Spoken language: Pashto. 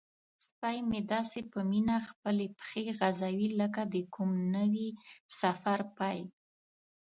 سپی مې داسې په مینه خپلې پښې غځوي لکه د کوم نوي سفر پیل.